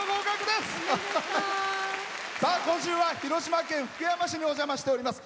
今週は広島県福山市にお邪魔しております。